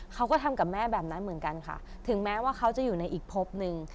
เขาก็ทำกับแม่แบบนั้นเหมือนกันค่ะถึงแม้ว่าเขาจะอยู่ในอีกพบนึง